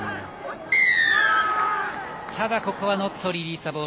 ただ、ここはノットリリースザボール。